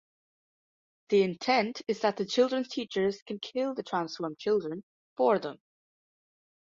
The intent is that the children's teachers can kill the transformed children for them.